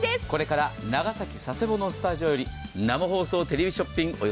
これから長崎・佐世保のスタジオより生放送テレビショッピング